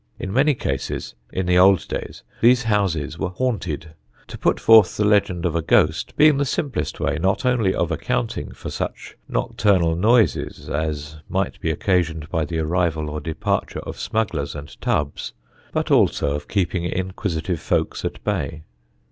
In many cases, in the old days, these houses were "haunted," to put forth the legend of a ghost being the simplest way not only of accounting for such nocturnal noises as might be occasioned by the arrival or departure of smugglers and tubs, but also of keeping inquisitive folks at bay.